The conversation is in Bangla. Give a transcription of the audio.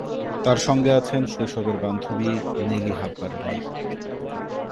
তার সঙ্গে আছেন শৈশবের বান্ধবী নেলি হার্পার লি।